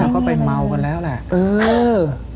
ก็ว่าเป็นเมากันแล้วแหละ